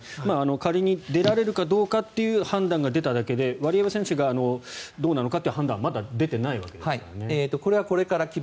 仮に出られるかどうかという判断が出ただけでワリエワ選手がどうなのかという判断はまだ出ていないわけですから。